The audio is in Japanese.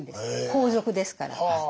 皇族ですから。